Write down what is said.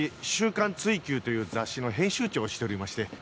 『週刊追求』という雑誌の編集長をしておりまして。